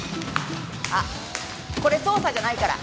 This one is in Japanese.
あっこれ捜査じゃないから。